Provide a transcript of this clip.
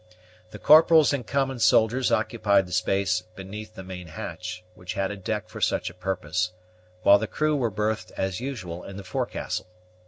The corporals and common soldiers occupied the space beneath the main hatch, which had a deck for such a purpose, while the crew were berthed, as usual, in the forecastle.